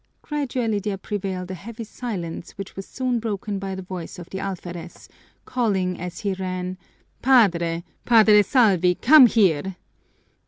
_" Gradually there prevailed a heavy silence which was soon broken by the voice of the alferez, calling as he ran: "Padre, Padre Salvi, come here!"